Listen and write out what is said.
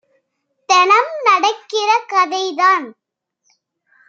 தெனம் நடக்கிற கதை தான்